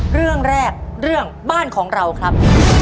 เรื่องแรกเรื่องบ้านของเราครับ